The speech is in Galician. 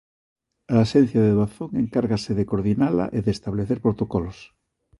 A Axencia de Doazón encárgase de coordinala e de establecer protocolos.